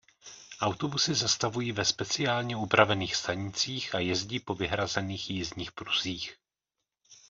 Autobusy zastavují ve speciálně upravených stanicích a jezdí po vyhrazených jízdních pruzích.